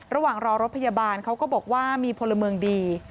ระหว่างรอรถพยาบาลเขาก็บอกว่ามีพลเมืองดี